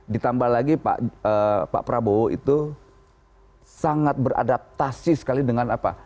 ditambah lagi pak prabowo itu sangat beradaptasi sekali dengan apa